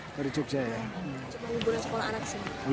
liburan sekolah anak sini